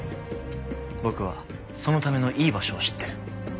僕はそのためのいい場所を知ってる。